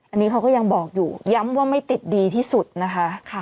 อันนี้เขาก็ยังบอกอยู่ย้ำว่าไม่ติดดีที่สุดนะคะ